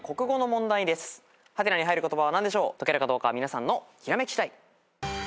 解けるかどうかは皆さんのひらめき次第。